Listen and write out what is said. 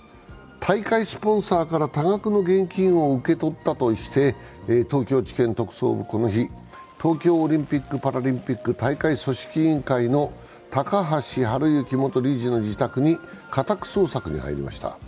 大会スポンサーから多額の現金を受け取ったとして東京地検特捜部はこの日、東京オリンピック・パラリンピック大会組織委員会の高橋治之元理事の自宅に家宅捜索に入りました。